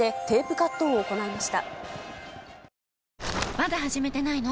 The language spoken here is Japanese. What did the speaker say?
まだ始めてないの？